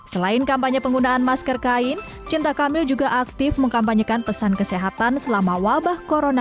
selain kampanye penggunaan masker kain cinta kamil juga aktif mengkampanyekan pesan kesehatan selama wabah corona